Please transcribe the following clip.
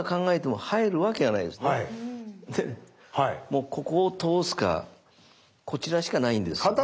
もうここを通すかこちらしかないんですよ。